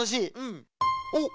おっ。